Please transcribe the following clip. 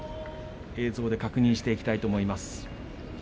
映像で確認していきたいと思います。